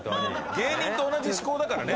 芸人と同じ思考だからね。